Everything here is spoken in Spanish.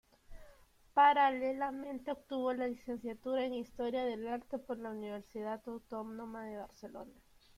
Paralelamente, obtuvo la licenciatura en Historia del arte por la Universitat Autònoma de Barcelona.